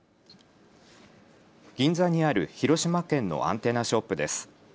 銀座にある広島県のアンテナショップです。